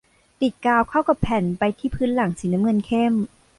ติดกาวเข้ากับแผ่นไปที่พื้นหลังสีน้ำเงินเข้ม